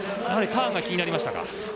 やはりターンが気になりましたか？